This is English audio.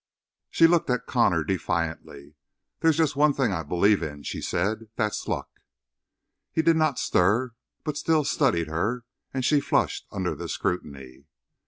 '" She looked at Connor defiantly. "There's just one thing I believe in," she said, "that's luck!" He did not stir, but still studied her, and she flushed under the scrutiny.